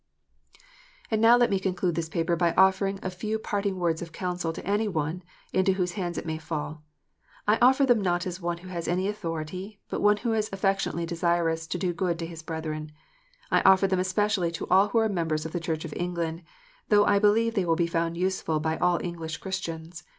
And now let me conclude this paper by offering a few part ing words of counsel to any one into whose hands it may fall. I offer them not as one who has any authority, but one who is affectionately desirous to do good to his brethren. I offer them especially to all who are members of the Church of England, though I believe they will be found useful by all English Christians.